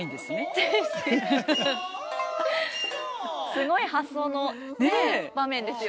すごい発想の場面ですよね。